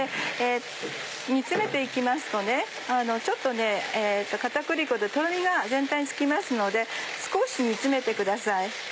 煮詰めて行きますとちょっと片栗粉ってトロミが全体につきますので少し煮詰めてください。